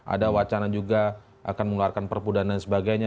ada wacana juga akan mengeluarkan perpudanan dan sebagainya